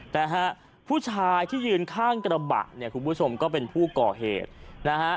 นะฮะผู้ชายที่ยืนข้างกระบะเนี่ยคุณผู้ชมก็เป็นผู้ก่อเหตุนะฮะ